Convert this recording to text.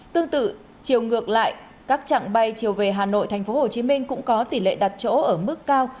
tương tự chiều ngược lại các trạng bay chiều về hà nội tp hcm cũng có tỷ lệ đặt chỗ ở mức cao